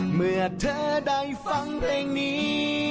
เมื่อเธอได้ฟังเพลงนี้